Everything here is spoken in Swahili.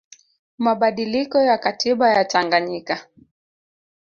mabadiliko ya katiba ya Tanganyika